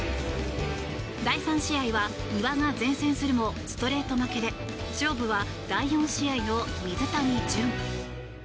第３試合は丹羽が善戦するもストレート負けで勝負は第４試合の水谷隼。